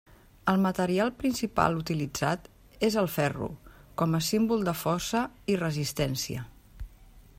El material principal utilitzat és el ferro, com a símbol de força i resistència.